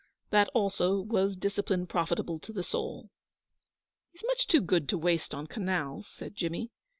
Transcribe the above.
That also was discipline profitable to the soul. 'He's much too good to waste on canals,' said Jimmy.